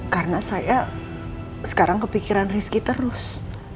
karena saya sekarang kepikiran rizky terus